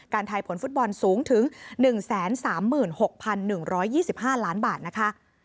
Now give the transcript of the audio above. ทายผลฟุตบอลสูงถึง๑๓๖๑๒๕ล้านบาทนะคะ